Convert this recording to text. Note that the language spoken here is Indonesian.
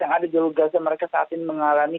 yang ada di jalur gaza mereka saat ini mengalami